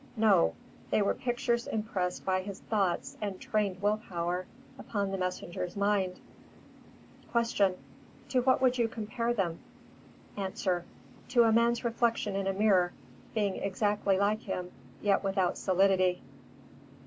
No; they were pictures impressed by his thought and trained will power upon the messenger's mind. 355. Q. To what would you compare them? A. To a man's reflection in a mirror, being exactly like him yet without solidity.